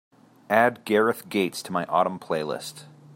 add gareth gates to my autumn playlist